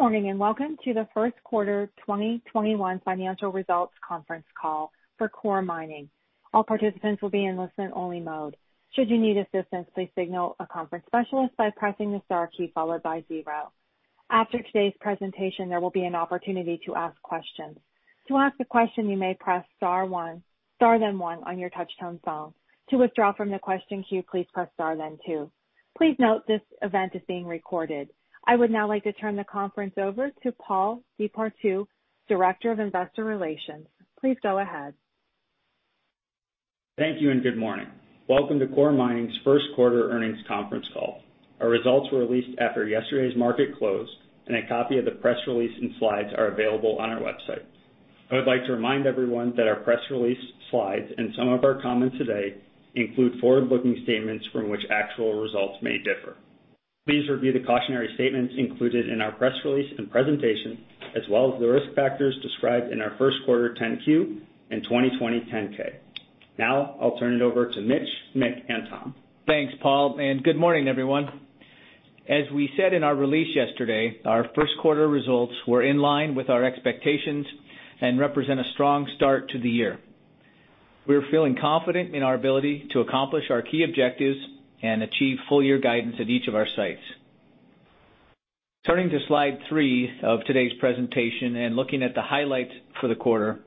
Good morning, and welcome to the First Quarter 2021 Financial Results Conference Call for Coeur Mining. All participants will be in listen-only mode. Should you need assistance, please signal a conference specialist by pressing the star key followed by zero. After today's presentation, there will be an opportunity to ask questions. To ask a question, you may press star one, star then one on your touchtone phone. To withdraw from the question queue, please press star then two. Please note, this event is being recorded. I would now like to turn the conference over to Paul DePartout, Director of Investor Relations. Please go ahead. Thank you, and good morning. Welcome to Coeur Mining's first-quarter earnings conference call. Our results were released after yesterday's market close, and a copy of the press release and slides are available on our website. I would like to remind everyone that our press release, slides, and some of our comments today include forward-looking statements from which actual results may differ. Please review the cautionary statements included in our press release and presentation, as well as the risk factors described in our first quarter Form 10-Q and 2020 Form 10-K. Now, I'll turn it over to Mitch, Mick, and Tom. Thanks, Paul, and good morning, everyone. As we said in our release yesterday, our first quarter results were in line with our expectations and represent a strong start to the year. We're feeling confident in our ability to accomplish our key objectives and achieve full-year guidance at each of our sites. Turning to slide three of today's presentation and looking at the highlights for the quarter.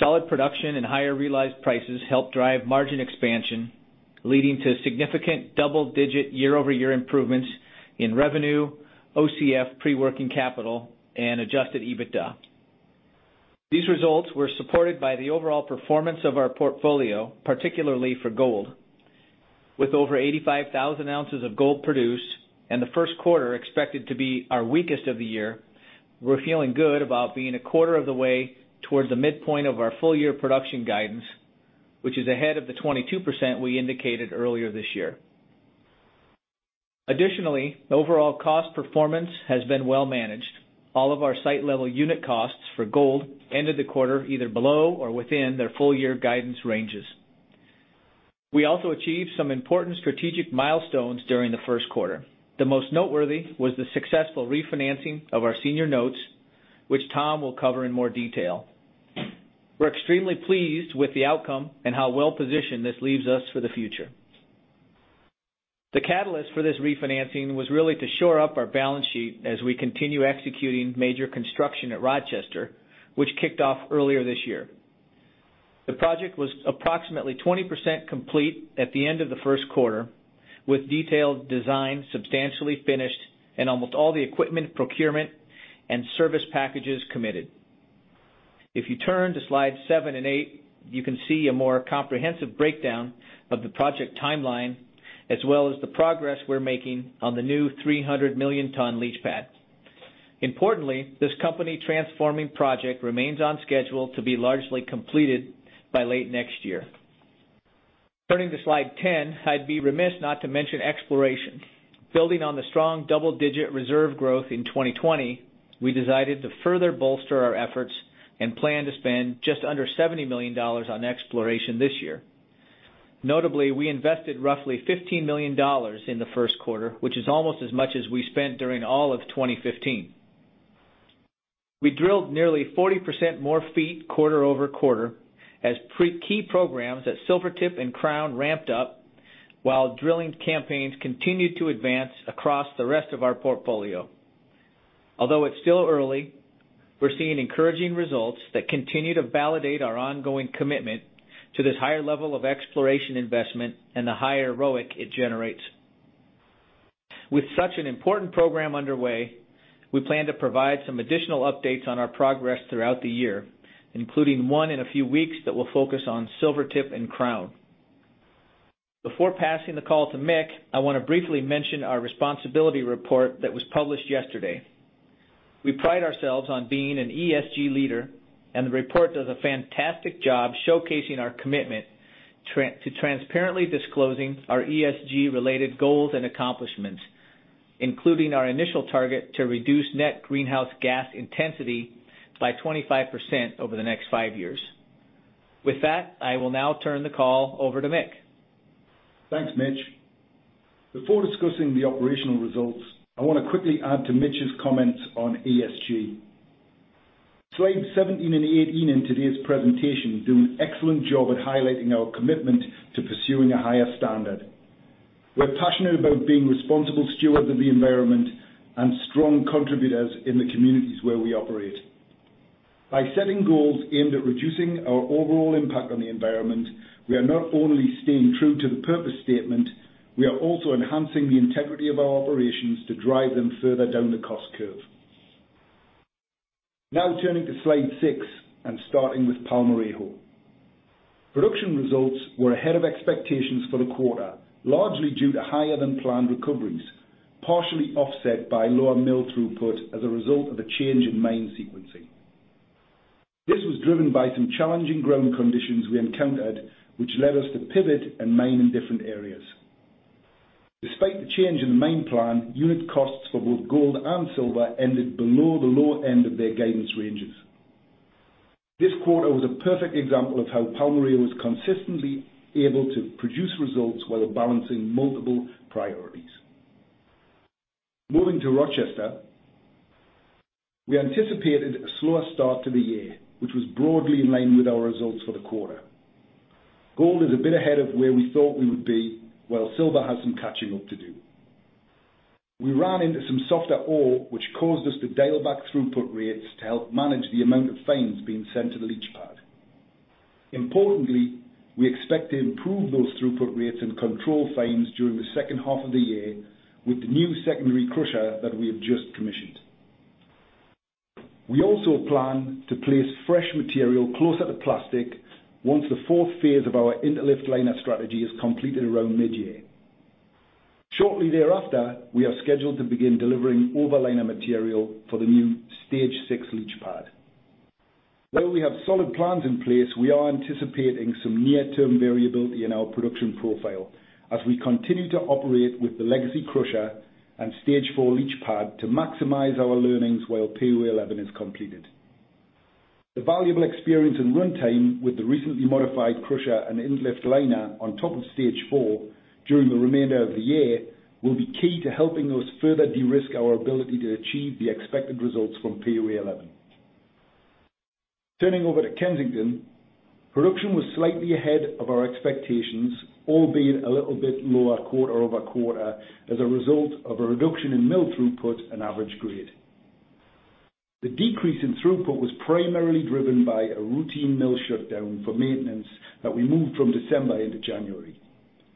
Solid production and higher realized prices helped drive margin expansion, leading to significant double-digit year-over-year improvements in revenue, OCF, pre-working capital, and adjusted EBITDA. These results were supported by the overall performance of our portfolio, particularly for gold. With over 85,000 ounces of gold produced and the first quarter expected to be our weakest of the year, we're feeling good about being a quarter of the way towards the midpoint of our full-year production guidance, which is ahead of the 22% we indicated earlier this year. Additionally, overall cost performance has been well managed. All of our site-level unit costs for gold ended the quarter either below or within their full-year guidance ranges. We also achieved some important strategic milestones during the first quarter. The most noteworthy was the successful refinancing of our senior notes, which Tom will cover in more detail. We're extremely pleased with the outcome and how well-positioned this leaves us for the future. The catalyst for this refinancing was really to shore up our balance sheet as we continue executing major construction at Rochester, which kicked off earlier this year. The project was approximately 20% complete at the end of the first quarter, with detailed design substantially finished and almost all the equipment procurement and service packages committed. If you turn to slides seven and eight, you can see a more comprehensive breakdown of the project timeline, as well as the progress we're making on the new 300-million-ton leach pad. Importantly, this company-transforming project remains on schedule to be largely completed by late next year. Turning to slide 10, I'd be remiss not to mention exploration. Building on the strong double-digit reserve growth in 2020, we decided to further bolster our efforts and plan to spend just under $70 million on exploration this year. Notably, we invested roughly $15 million in the first quarter, which is almost as much as we spent during all of 2015. We drilled nearly 40% more feet quarter-over-quarter as key programs at Silvertip and Crown ramped up while drilling campaigns continued to advance across the rest of our portfolio. Although it's still early, we're seeing encouraging results that continue to validate our ongoing commitment to this higher level of exploration investment and the higher ROIC it generates. With such an important program underway, we plan to provide some additional updates on our progress throughout the year, including one in a few weeks that will focus on Silvertip and Crown. Before passing the call to Mick, I want to briefly mention our responsibility report that was published yesterday. We pride ourselves on being an ESG leader, and the report does a fantastic job showcasing our commitment to transparently disclosing our ESG-related goals and accomplishments, including our initial target to reduce net greenhouse gas intensity by 25% over the next five years. With that, I will now turn the call over to Mick. Thanks, Mitch. Before discussing the operational results, I want to quickly add to Mitch's comments on ESG. Slides 17 and 18 in today's presentation do an excellent job at highlighting our commitment to pursuing a higher standard. We're passionate about being responsible stewards of the environment and strong contributors in the communities where we operate. By setting goals aimed at reducing our overall impact on the environment, we are not only staying true to the purpose statement, we are also enhancing the integrity of our operations to drive them further down the cost curve. Now turning to slide six and starting with Palmarejo. Production results were ahead of expectations for the quarter, largely due to higher-than-planned recoveries, partially offset by lower mill throughput as a result of a change in mine sequencing. This was driven by some challenging ground conditions we encountered, which led us to pivot and mine in different areas. Despite the change in the mine plan, unit costs for both gold and silver ended below the lower end of their guidance ranges. This quarter was a perfect example of how Palmarejo was consistently able to produce results while balancing multiple priorities. Moving to Rochester, we anticipated a slower start to the year, which was broadly in line with our results for the quarter. Gold is a bit ahead of where we thought we would be, while silver has some catching up to do. We ran into some softer ore, which caused us to dial back throughput rates to help manage the amount of fines being sent to the leach pad. Importantly, we expect to improve those throughput rates and control fines during the second half of the year with the new secondary crusher that we have just commissioned. We also plan to place fresh material closer to plastic once the fourth phase of our in-lift liner strategy is completed around mid-year. Shortly thereafter, we are scheduled to begin delivering overliner material for the new Stage 6 leach pad. Though we have solid plans in place, we are anticipating some near-term variability in our production profile as we continue to operate with the legacy crusher and Stage 4 leach pad to maximize our learnings while POA 11 is completed. The valuable experience and runtime with the recently modified crusher and in-lift liner on top of Stage 4 during the remainder of the year will be key to helping us further de-risk our ability to achieve the expected results from POA 11. Turning over to Kensington, production was slightly ahead of our expectations, albeit a little bit lower quarter-over-quarter as a result of a reduction in mill throughput and average grade. The decrease in throughput was primarily driven by a routine mill shutdown for maintenance that we moved from December into January,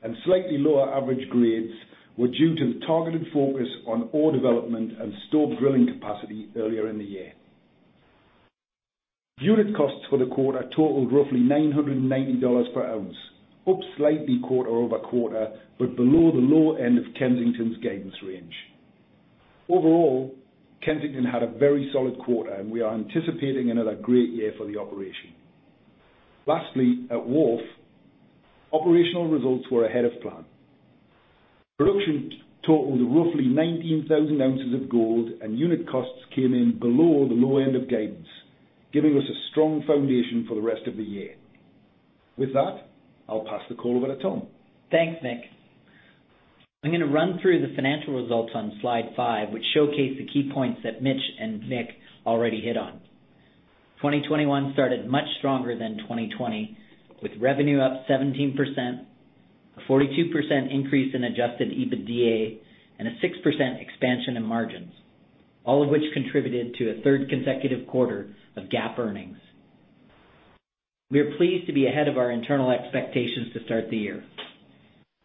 and slightly lower average grades were due to the targeted focus on ore development and stope drilling capacity earlier in the year. Unit costs for the quarter totaled roughly $990 per ounce, up slightly quarter-over-quarter, but below the low end of Kensington's guidance range. Overall, Kensington had a very solid quarter, and we are anticipating another great year for the operation. Lastly, at Wharf, operational results were ahead of plan. Production totaled roughly 19,000 ounces of gold. Unit costs came in below the low end of guidance, giving us a strong foundation for the rest of the year. With that, I'll pass the call over to Tom. Thanks, Mick. I'm going to run through the financial results on slide five, which showcase the key points that Mitch and Mick already hit on. 2021 started much stronger than 2020, with revenue up 17%, a 42% increase in adjusted EBITDA, and a 6% expansion in margins, all of which contributed to a third consecutive quarter of GAAP earnings. We are pleased to be ahead of our internal expectations to start the year.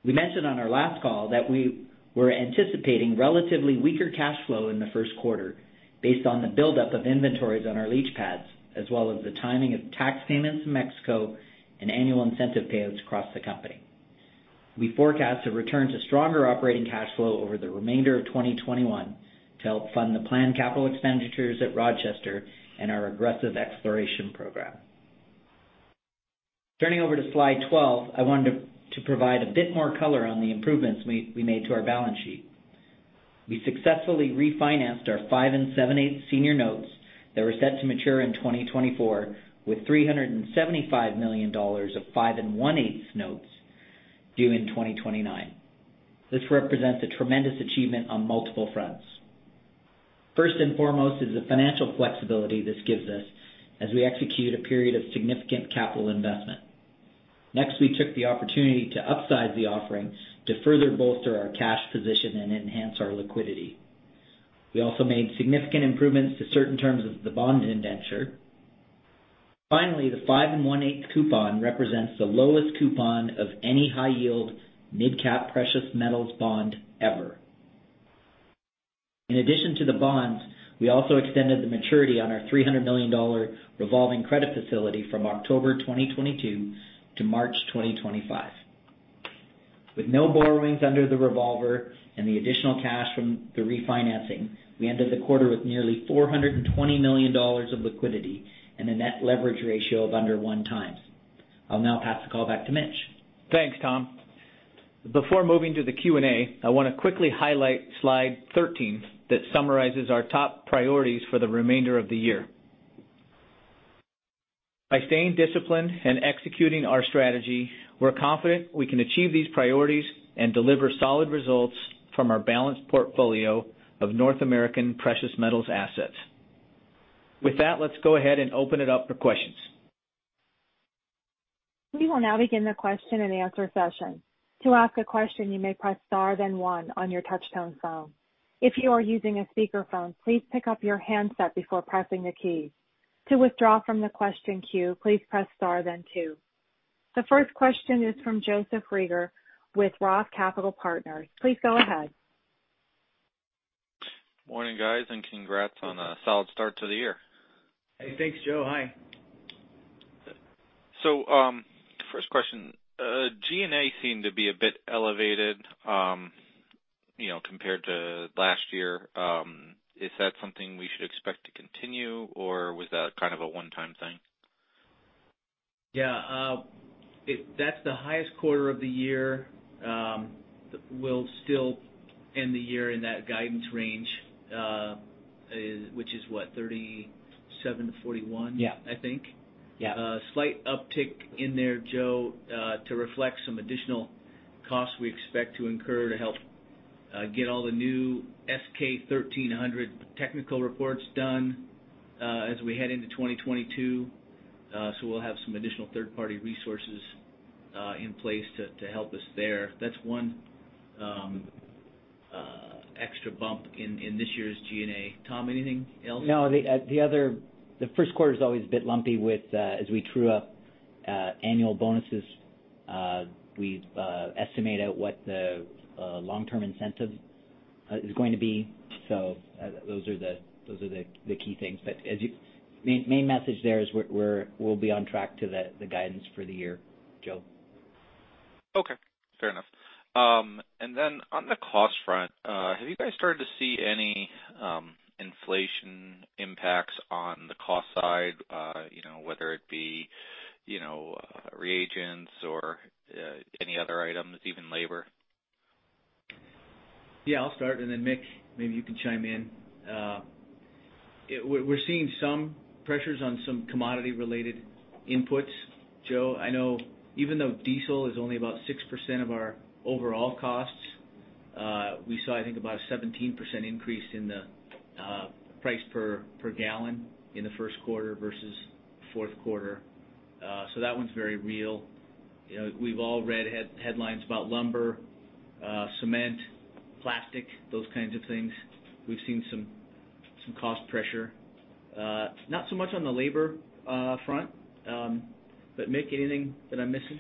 We mentioned on our last call that we were anticipating relatively weaker cash flow in the first quarter based on the buildup of inventories on our leach pads, as well as the timing of tax payments in Mexico and annual incentive payouts across the company. We forecast a return to stronger operating cash flow over the remainder of 2021 to help fund the planned capital expenditures at Rochester and our aggressive exploration program. Turning over to slide 12, I wanted to provide a bit more color on the improvements we made to our balance sheet. We successfully refinanced our five and seven-eighths senior notes that were set to mature in 2024 with $375 million of five and one-eighth notes due in 2029. This represents a tremendous achievement on multiple fronts. First and foremost is the financial flexibility this gives us as we execute a period of significant capital investment. Next, we took the opportunity to upsize the offering to further bolster our cash position and enhance our liquidity. We also made significant improvements to certain terms of the bond indenture. Finally, the five and one-eighth coupon represents the lowest coupon of any high-yield mid-cap precious metals bond ever. In addition to the bonds, we also extended the maturity on our $300 million revolving credit facility from October 2022 to March 2025. With no borrowings under the revolver and the additional cash from the refinancing, we ended the quarter with nearly $420 million of liquidity and a net leverage ratio of under one times. I'll now pass the call back to Mitch. Thanks, Tom. Before moving to the Q&A, I want to quickly highlight slide 13 that summarizes our top priorities for the remainder of the year. By staying disciplined and executing our strategy, we're confident we can achieve these priorities and deliver solid results from our balanced portfolio of North American precious metals assets. With that, let's go ahead and open it up for questions. We will now begin the question-and-answer session. To ask a question, you may press star then one on your touchtone phone. If you are using a speakerphone, please pick up your handset before pressing the key. To withdraw from the question queue, please press star then two. The first question is from Joseph Reagor with Roth Capital Partners. Please go ahead. Morning, guys, and congrats on a solid start to the year. Hey, thanks, Joe. Hi. First question. G&A seemed to be a bit elevated compared to last year. Is that something we should expect to continue, or was that kind of a one-time thing? Yeah. If that's the highest quarter of the year, we'll still end the year in that guidance range, which is what, 37-41? Yeah. I think. Yeah. Slight uptick in there, Joe, to reflect some additional costs we expect to incur to help get all the new S-K 1300 technical reports done as we head into 2022. We'll have some additional third-party resources in place to help us there. That's one extra bump in this year's G&A. Tom, anything else? No. The first quarter's always a bit lumpy with, as we true up annual bonuses. We estimate out what the long-term incentive is going to be. Those are the key things. Main message there is we'll be on track to the guidance for the year, Joe. Okay. Fair enough. Then on the cost front, have you guys started to see any inflation impacts on the cost side? Whether it be reagents or any other items, even labor? I'll start, and then Mick, maybe you can chime in. We're seeing some pressures on some commodity-related inputs, Joe. I know even though diesel is only about 6% of our overall costs, we saw, I think, about a 17% increase in the price per gallon in the first quarter versus fourth quarter. That one's very real. We've all read headlines about lumber, cement, plastic, those kinds of things. We've seen some cost pressure. Not so much on the labor front. Mick, anything that I'm missing?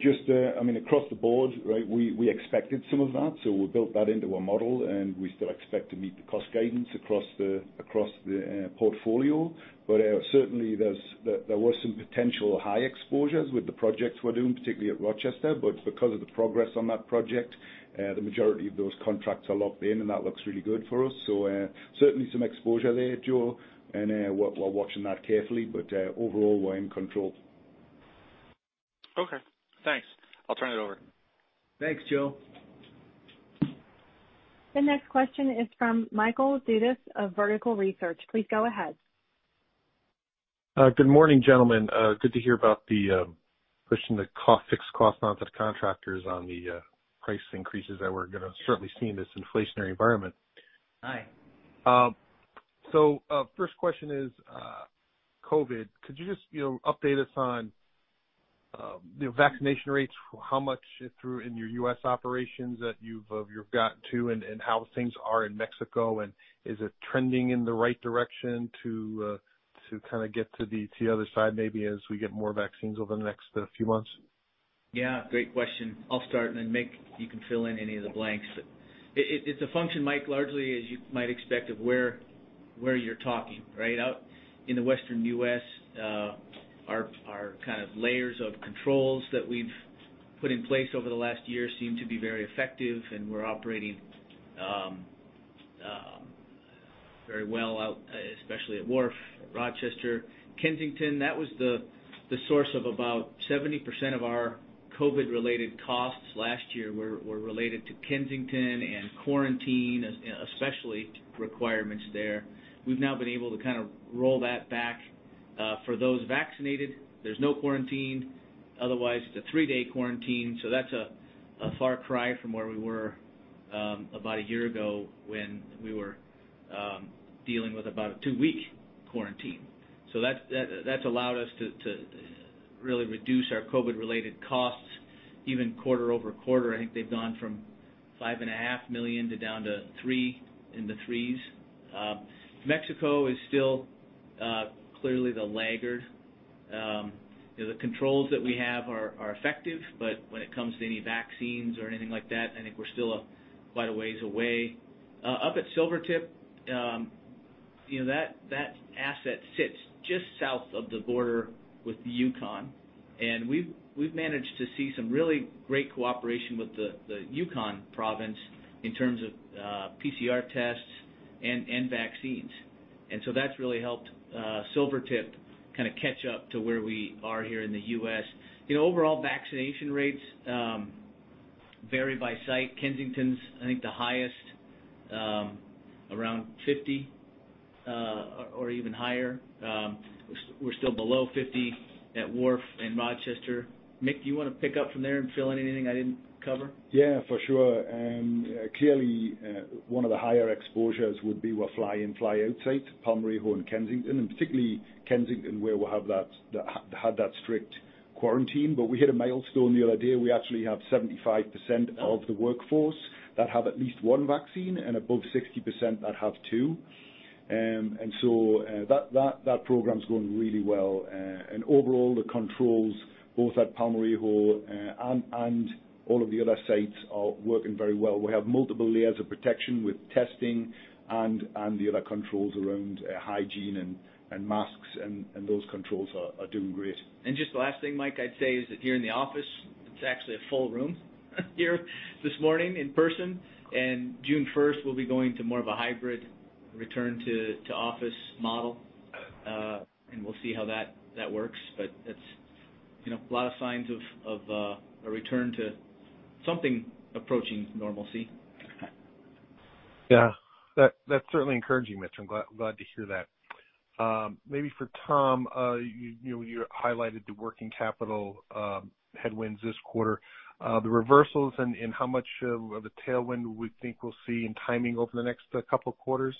Just, across the board, we expected some of that, so we built that into our model, and we still expect to meet the cost guidance across the portfolio. Certainly, there were some potential high exposures with the projects we're doing, particularly at Rochester. Because of the progress on that project, the majority of those contracts are locked in, and that looks really good for us. Certainly some exposure there, Joe, and we're watching that carefully. Overall, we're in control. Okay, thanks. I'll turn it over. Thanks, Joe. The next question is from Michael Dudas of Vertical Research. Please go ahead. Good morning, gentlemen. Good to hear about the pushing the fixed cost onto the contractors on the price increases that we're going to certainly see in this inflationary environment. Hi. First question is COVID. Could you just update us on vaccination rates, how much through in your U.S. operations that you've gotten to, and how things are in Mexico, and is it trending in the right direction to kind of get to the other side, maybe, as we get more vaccines over the next few months? Great question. I'll start, and then Mick, you can fill in any of the blanks. It's a function, Mike, largely, as you might expect, of where you're talking, right? Out in the Western U.S., our kind of layers of controls that we've put in place over the last one year seem to be very effective, and we're operating very well out, especially at Wharf, at Rochester. Kensington, that was the source of about 70% of our COVID-related costs last year were related to Kensington and quarantine, especially requirements there. We've now been able to kind of roll that back. For those vaccinated, there's no quarantine. Otherwise, it's a three-day quarantine. That's a far cry from where we were about a year ago, when we were dealing with about the two-week quarantine. That's allowed us to really reduce our COVID-related costs, even quarter-over-quarter. I think they've gone from $5.5 million to down to three, in the threes. Mexico is still clearly the laggard. The controls that we have are effective, but when it comes to any vaccines or anything like that, I think we're still quite a ways away. Up at Silvertip, that asset sits just south of the border with the Yukon, and we've managed to see some really great cooperation with the Yukon province in terms of PCR tests and vaccines. That's really helped Silvertip kind of catch up to where we are here in the U.S. Overall vaccination rates vary by site. Kensington's, I think, the highest, around 50 or even higher. We're still below 50 at Wharf and Rochester. Mick, you want to pick up from there and fill in anything I didn't cover? Yeah, for sure. Clearly, one of the higher exposures would be our fly-in, fly out site, Palmarejo and Kensington, and particularly Kensington, where we had that strict quarantine. We hit a milestone the other day. We actually have 75% of the workforce that have at least one vaccine and above 60% that have two. That program's going really well. Overall, the controls both at Palmarejo and all of the other sites are working very well. We have multiple layers of protection with testing and the other controls around hygiene and masks, and those controls are doing great. Just the last thing, Mike, I'd say is that here in the office, it's actually a full room here this morning in person. June 1st, we'll be going to more of a hybrid return to office model, and we'll see how that works. It's a lot of signs of a return to something approaching normalcy. That's certainly encouraging, Mitch. I'm glad to hear that. Maybe for Tom, you highlighted the working capital headwinds this quarter. The reversals and how much of a tailwind we think we'll see in timing over the next couple of quarters?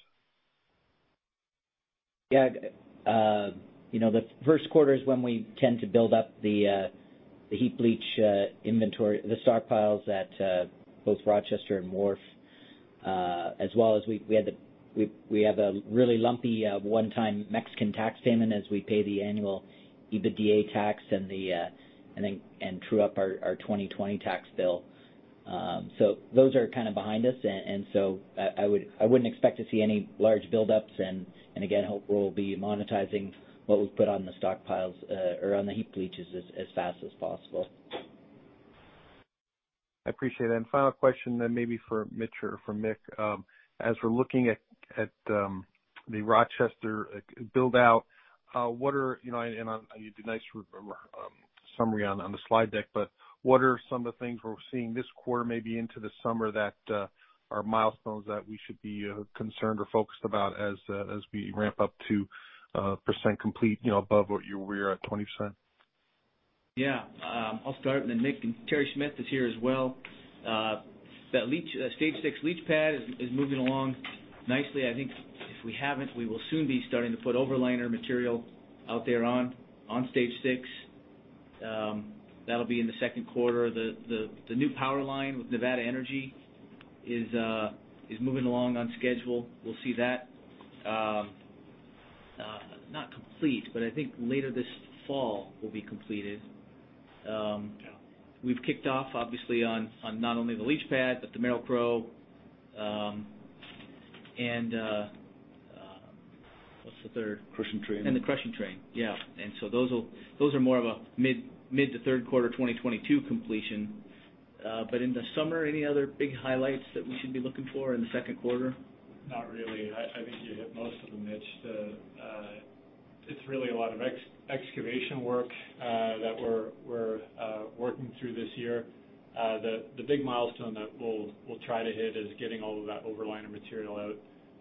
The first quarter is when we tend to build up the heap leach inventory, the stockpiles at both Rochester and Wharf, as well as we have a really lumpy one-time Mexican tax payment as we pay the annual EBITDA tax and true up our 2020 tax bill. Those are kind of behind us. I wouldn't expect to see any large buildups and, again, hope we'll be monetizing what we've put on the stockpiles or on the heap leaches as fast as possible. I appreciate it. Final question, maybe for Mitch or for Mick. As we're looking at the Rochester build-out, and you did a nice summary on the slide deck, but what are some of the things we're seeing this quarter, maybe into the summer, that are milestones that we should be concerned or focused about as we ramp up to per cent complete above what you were at 20%? Yeah. I'll start, and then Mick and Terry Smith is here as well. That Stage 6 leach pad is moving along nicely. I think if we haven't, we will soon be starting to put overliner material out there on Stage 6. That'll be in the second quarter. The new power line with NV Energy is moving along on schedule. We'll see that, not complete, but I think later this fall will be completed. We've kicked off, obviously, on not only the leach pad, but the Merrill-Crowe. What's the third? Crushing train. The crushing train. Yeah. Those are more of a mid to third quarter 2022 completion. In the summer, any other big highlights that we should be looking for in the second quarter? Not really. I think you hit most of them, Mitch. It's really a lot of excavation work that we're working through this year. The big milestone that we'll try to hit is getting all of that overliner material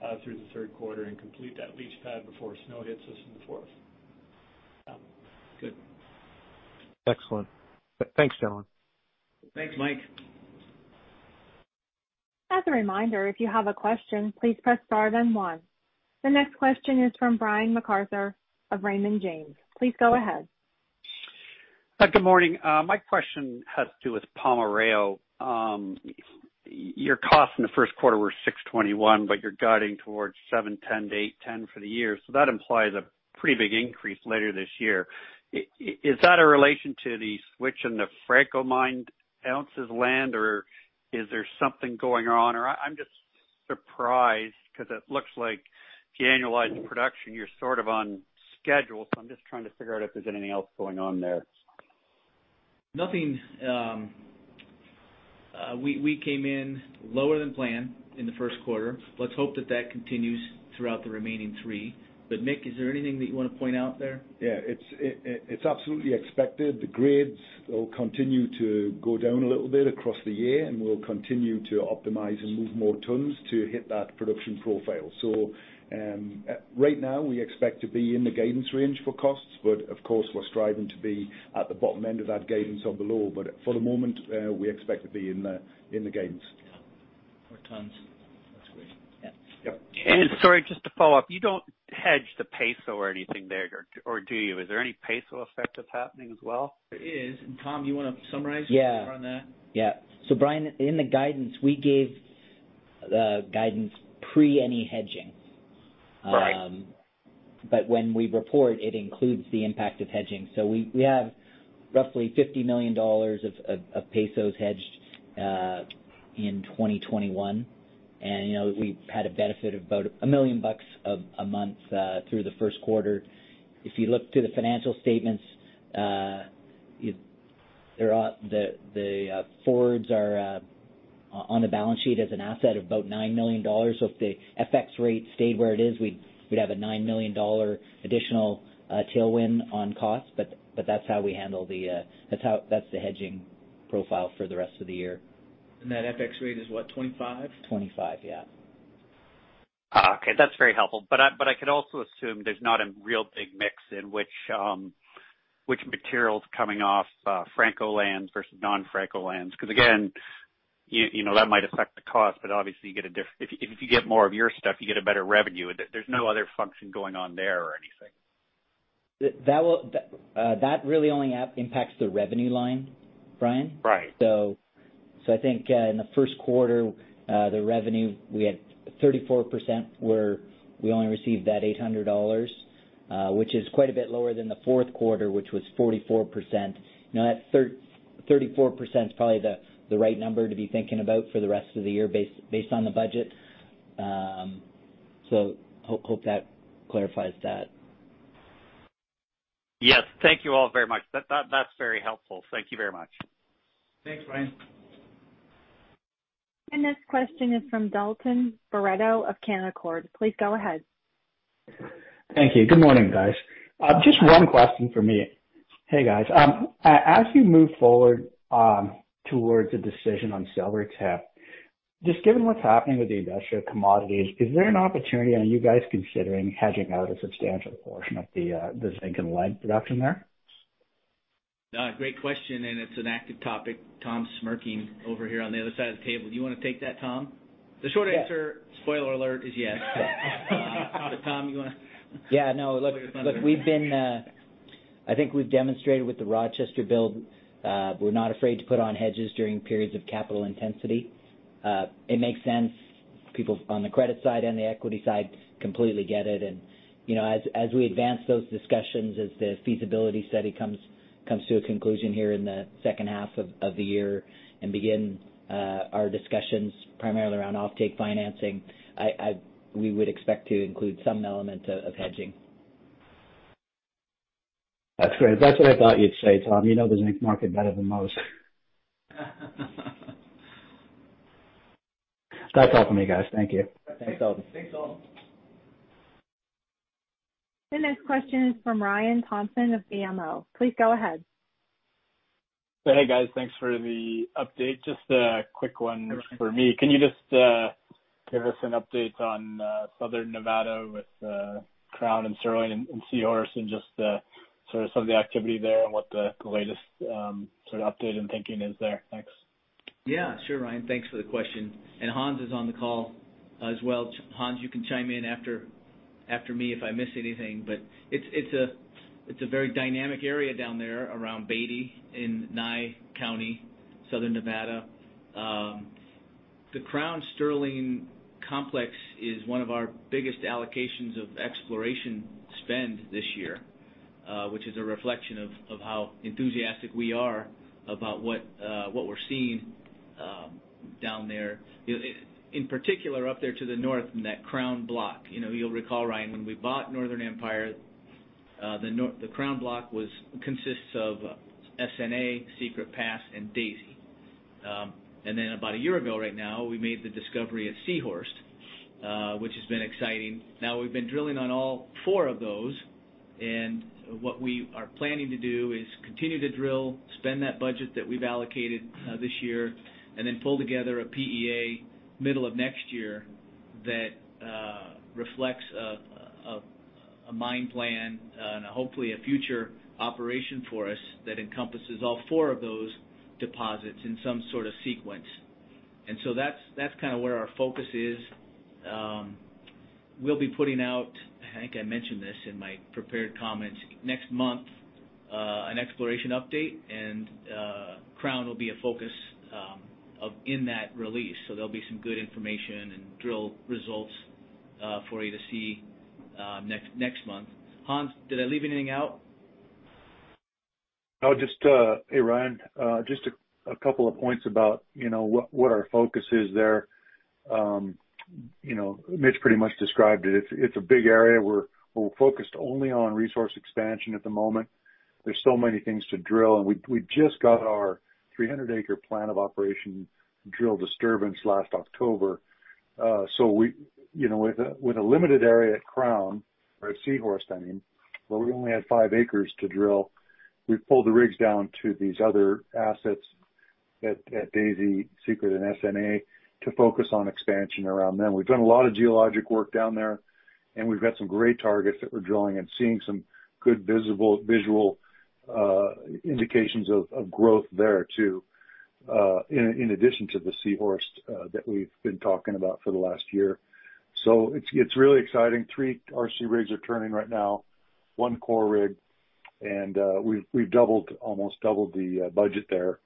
out through the third quarter and complete that leach pad before snow hits us in the fourth. Good. Excellent. Thanks, gentlemen. Thanks, Mike. As a reminder, if you have a question, please press star then one. The next question is from Brian MacArthur of Raymond James. Please go ahead. Good morning. My question has to do with Palmarejo. Your costs in the first quarter were $621, but you're guiding towards $710-$810 for the year. That implies a pretty big increase later this year. Is that a relation to the switch in the Franco-Nevada-mined ounces land, or is there something going on? I'm just surprised because it looks like annualized production, you're sort of on schedule. I'm just trying to figure out if there's anything else going on there. Nothing. We came in lower than planned in the first quarter. Let's hope that that continues throughout the remaining three. Mick, is there anything that you want to point out there? Yeah. It's absolutely expected. The grades will continue to go down a little bit across the year, and we'll continue to optimize and move more tons to hit that production profile. Right now we expect to be in the guidance range for costs, but of course, we're striving to be at the bottom end of that guidance or below. For the moment, we expect to be in the guidance. Yeah. More tons. That's great. Yeah. Sorry, just to follow up, you don't hedge the peso or anything there, or do you? Is there any peso effect that's happening as well? There is. Tom, you want to summarize on that? Brian, in the guidance, we gave the guidance pre any hedging. Right. When we report, it includes the impact of hedging. We have roughly $50 million of pesos hedged in 2021. We've had a benefit of about $1 million a month through the first quarter. If you look through the financial statements, the forwards are on the balance sheet as an asset of about $9 million. If the FX rate stayed where it is, we'd have a $9 million additional tailwind on cost, but that's how we handle the hedging profile for the rest of the year. That FX rate is what? 25? 25, yeah. Okay, that's very helpful. I could also assume there's not a real big mix in which material's coming off Franco-Nevada lands versus non-Franco-Nevada lands. Again, that might affect the cost, but obviously, if you get more of your stuff, you get a better revenue. There's no other function going on there or anything. That really only impacts the revenue line, Brian. Right. I think in the first quarter, the revenue, we had 34% where we only received that $800, which is quite a bit lower than the fourth quarter, which was 44%. Now that 34% is probably the right number to be thinking about for the rest of the year based on the budget. Hope that clarifies that. Yes. Thank you all very much. That's very helpful. Thank you very much. Thanks, Brian. This question is from Dalton Baretto of Canaccord. Please go ahead. Thank you. Good morning, guys. Just one question from me. Hey, guys. As you move forward towards a decision on Silvertip, just given what's happening with the industrial commodities, is there an opportunity, are you guys considering hedging out a substantial portion of the zinc and lead production there? Great question. It's an active topic. Tom's smirking over here on the other side of the table. Do you want to take that, Tom? The short answer, spoiler alert, is yes. Tom, you want to? Yeah, no. Look, I think we've demonstrated with the Rochester build, we're not afraid to put on hedges during periods of capital intensity. It makes sense. People on the credit side and the equity side completely get it. As we advance those discussions, as the feasibility study comes to a conclusion here in the second half of the year and begin our discussions primarily around offtake financing, we would expect to include some element of hedging. That's great. That's what I thought you'd say, Tom. You know the zinc market better than most. That's all for me, guys. Thank you. Thanks, Dalton. Thanks Dalton. The next question is from Ryan Thompson of BMO. Please go ahead. Hey, guys. Thanks for the update. Just a quick one for me. Can you just give us an update on Southern Nevada with Crown and Sterling and C-Horst and just sort of some of the activity there and what the latest sort of update and thinking is there? Thanks. Yeah, sure, Ryan. Thanks for the question. Hans is on the call as well. Hans, you can chime in after me if I miss anything. It's a very dynamic area down there around Beatty in Nye County, Southern Nevada. The Crown/Sterling complex is one of our biggest allocations of exploration spend this year, which is a reflection of how enthusiastic we are about what we're seeing down there. In particular, up there to the north, that Crown block. You'll recall, Ryan, when we bought Northern Empire, the Crown block consists of SNA, Secret Pass, and Daisy. About a year ago right now, we made the discovery of C-Horst, which has been exciting. We've been drilling on all four of those, and what we are planning to do is continue to drill, spend that budget that we've allocated this year, and then pull together a PEA middle of next year that reflects a mine plan and hopefully a future operation for us that encompasses all four of those deposits in some sort of sequence. That's kind of where our focus is. We'll be putting out, I think I mentioned this in my prepared comments, next month, an exploration update, and Crown will be a focus in that release. There'll be some good information and drill results for you to see next month. Hans, did I leave anything out? No. Hey, Ryan, just a couple of points about what our focus is there. Mitch pretty much described it. It's a big area. We're focused only on resource expansion at the moment. There's so many things to drill, and we just got our 300-acre plan of operation drill disturbance last October. With a limited area at Crown, or C-Horst, I mean, where we only had five acres to drill, we pulled the rigs down to these other assets at Daisy, Secret Pass, and SNA to focus on expansion around them. We've done a lot of geologic work down there, and we've got some great targets that we're drilling and seeing some good visual indications of growth there, too, in addition to the C-Horst that we've been talking about for the last year. It's really exciting. Three RC rigs are turning right now, one core rig, and we've almost doubled the budget there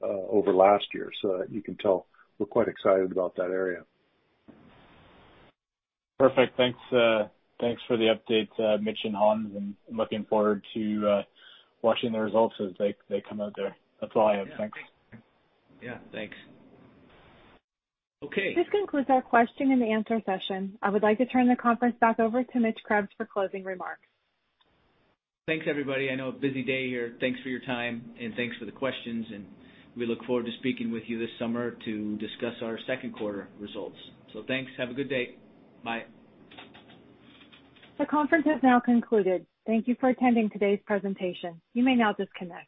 over last year. You can tell we're quite excited about that area. Perfect. Thanks for the update, Mitch and Hans. I'm looking forward to watching the results as they come out there. That's all I have. Thanks. Yeah, thanks. Okay. This concludes our question-and-answer session. I would like to turn the conference back over to Mitch Krebs for closing remarks. Thanks, everybody. I know, busy day here. Thanks for your time, and thanks for the questions, and we look forward to speaking with you this summer to discuss our second quarter results. Thanks. Have a good day. Bye. The conference has now concluded. Thank you for attending today's presentation. You may now disconnect.